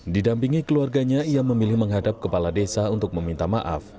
didampingi keluarganya ia memilih menghadap kepala desa untuk meminta maaf